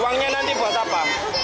uangnya nanti buat apa